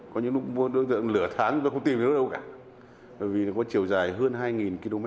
có những lúc đối tượng lửa thán mà không tìm được đâu cả vì nó có chiều dài hơn hai km